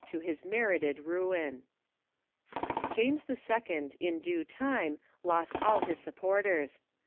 to his merited ruin. James II. in due time lost all his supporters.